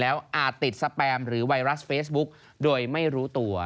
แล้วอาจติดสแปมหรือไวรัสเฟซบุ๊กโดยไม่รู้ตัว